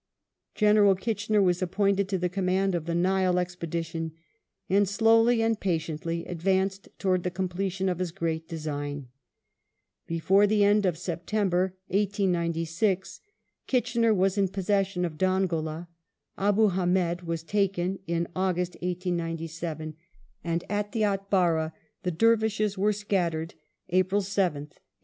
^ General Kitchener was appointed to the command of the Nile expedition, and slowly and jmtiently advanced towards the completion of his great design. Before the end of September, 1896, Kitchener was in possession of Dongola; Abu Hamed was taken in August, 1897, and at the Atbara the Dervishes were scattered (April 7th, 1898).